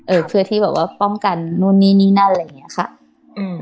เออเพื่อที่แบบว่าป้องกันนู่นนี่นี่นั่นอะไรอย่างเงี้ยค่ะอืม